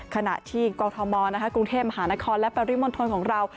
ขณะที่กรทมกรุงเทพมหานครและปริมณฑลของเรา